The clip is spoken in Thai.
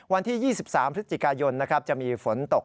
วันที่๒๓พฤศจิกายนจะมีฝนตก